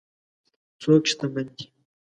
څوک شتمن دی.